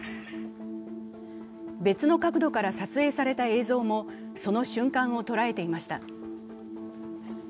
別の角度から撮影された映像も、その瞬間を捉えていました。